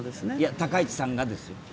高市さんがですよ